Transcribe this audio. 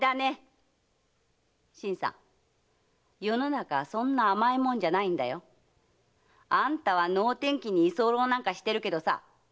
世の中そんな甘いもんじゃないんだよ。あんたは能天気に居候なんかしてるけどさ